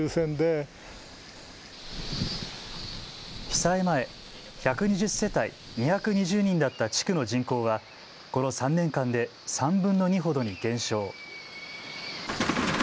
被災前、１２０世帯２２０人だった地区の人口はこの３年間で３分の２ほどに減少。